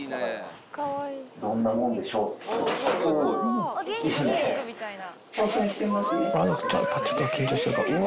どんなもんでしょう。